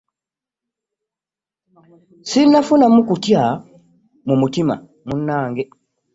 Ssinnafunamu kutya mu mutima munnange.